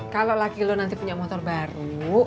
kalo laki lu nanti punya motor baru